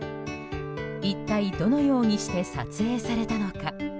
一体どのようにして撮影されたのか。